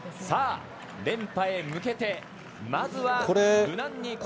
さあ、連覇へ向けて、まずは無難に。